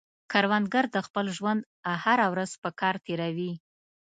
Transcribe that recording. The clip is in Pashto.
کروندګر د خپل ژوند هره ورځ په کار تېروي